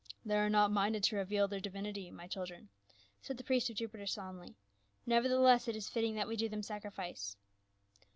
" They are not minded to reveal their divinity, my children," said the priest of Jupiter solemnly, "never theless it is fitting that we do them sacrifice."